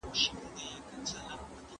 زه به ستا لپاره د کابل یو ځانګړی سوغات راوړم.